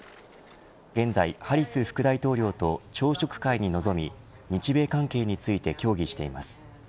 現在ハリス副大統領と朝食会に臨み日米関係について協議しています。